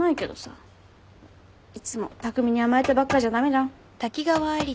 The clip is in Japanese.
いつも匠に甘えてばっかじゃ駄目じゃん。